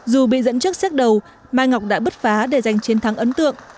dù bị dẫn trước xét đầu mai ngọc đã bứt phá để giành chiến thắng ấn tượng